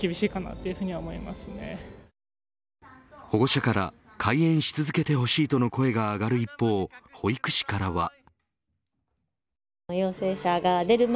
保護者から開園し続けてほしいとの声が上がる一方保育士からは。